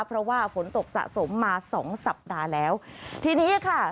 เพราะว่าฝนตกสะสมมาสองสัปดาห์แล้วทีนี้ค่ะ